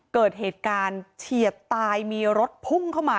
เกิดเหตุการณ์เฉียดตายมีรถพุ่งเข้ามา